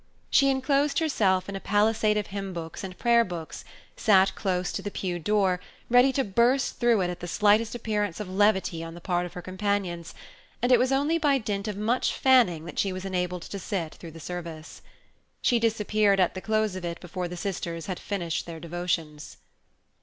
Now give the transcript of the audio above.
She inclosed herself in a palisade of hymn books and prayer books, sat close to the pew door, ready to burst through it at the slightest appearance of levity on the part of her companions, and it was only by dint of much fanning that she was enabled to sit through the service. She disappeared at the close of it before the sisters had finished their devotions.